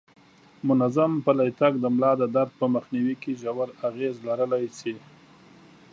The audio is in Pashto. منظم پلی تګ د ملا د درد په مخنیوي کې ژور اغیز لرلی شي.